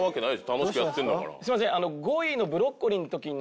楽しくやってんだから。